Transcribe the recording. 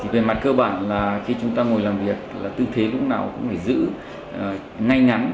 về mặt cơ bản khi chúng ta ngồi làm việc tư thế lúc nào cũng phải giữ ngay ngắn